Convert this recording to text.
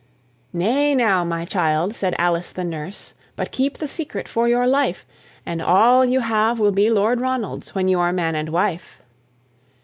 "Nay now, my child," said Alice the nurse, "But keep the secret for your life, And all you have will be Lord Ronald's When you are man and wife."